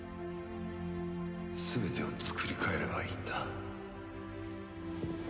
全てをつくり変えればいいんだ。